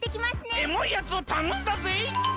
エモいやつをたのんだぜい！